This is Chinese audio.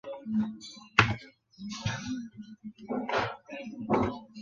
同为男演员的高木万平是其双胞胎哥哥。